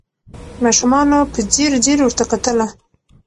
ماشومانو په ځیر ځیر ورته کتله